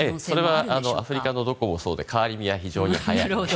それはアフリカのどこもそうで変わり身が非常に早い。